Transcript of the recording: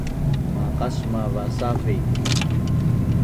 Maqasmav va Savi